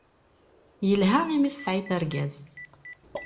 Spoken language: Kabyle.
Yelha imi tesɛiḍ argaz.